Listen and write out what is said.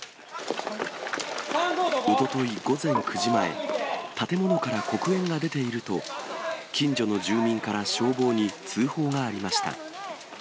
おととい午前９時前、建物から黒煙が出ていると、近所の住民から消防に通報がありました。